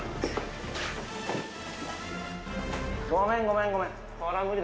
ごめん、ごめん、ごめん。